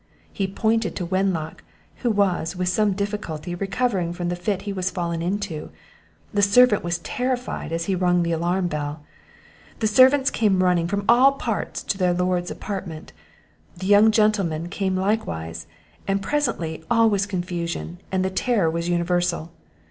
He pointed to Wenlock, who was with some difficulty recovered from the fit he was fallen into; the servant was terrified, he rung the alarm bell; the servants came running from all parts to their Lord's apartment; The young gentlemen came likewise, and presently all was confusion, and the terror was universal.